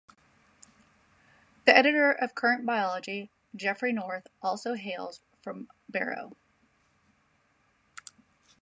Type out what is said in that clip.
The Editor of Current Biology Geoffrey North also hails from Barrow.